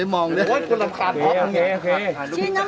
น้องลูกพี่นอน